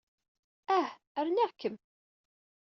Ah! Rniɣ-kem.